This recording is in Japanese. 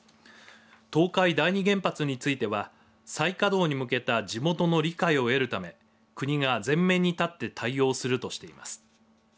東海第二原発については再稼働に向けた地元の理解を得るため国が前面に立って対応するとしています。